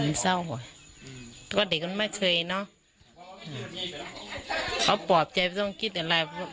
ก็เศร้าอ่ะนอนเศร้าอ่ะก็เด็กมันไม่เคยเนาะเขาปลอบใจไม่ต้องคิดอะไร